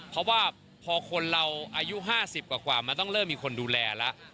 เพราะว่าพอคนเราอายุ๕๐กว่ามันต้องเริ่มมีคนดูแลแล้ว